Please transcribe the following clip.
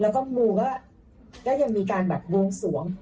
แล้วก็หมู่ก็ก็จะมีการแบบวงสวง